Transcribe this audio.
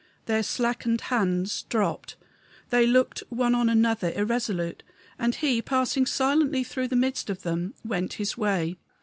Their slackened hands dropped; they looked one on another irresolute: and he, passing silently through the midst of them, went his way.